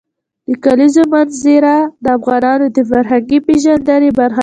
د کلیزو منظره د افغانانو د فرهنګي پیژندنې برخه ده.